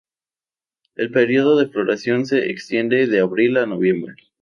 El período de floración se extiende de abril a noviembre.